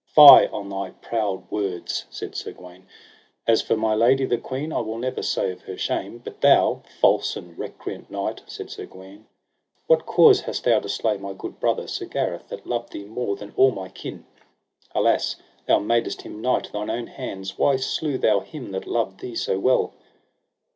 Fie on thy proud words, said Sir Gawaine; as for my lady, the queen, I will never say of her shame. But thou, false and recreant knight, said Sir Gawaine, what cause hadst thou to slay my good brother Sir Gareth, that loved thee more than all my kin? Alas thou madest him knight thine own hands; why slew thou him that loved thee so well?